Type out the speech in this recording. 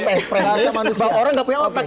bahwa orangnya nggak punya otak